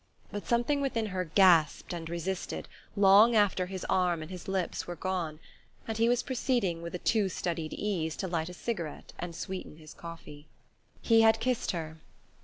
But something within her gasped and resisted long after his arm and his lips were gone, and he was proceeding, with a too studied ease, to light a cigarette and sweeten his coffee. He had kissed her....